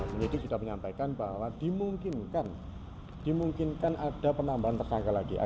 penyidik sudah menyampaikan bahwa dimungkinkan ada penambahan tersangka lagi